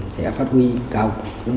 sẽ phát huy cao